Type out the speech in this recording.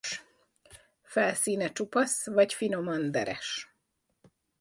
Felszíne csupasz vagy finoman deres.